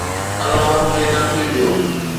علامن کي ترتيب ڏيو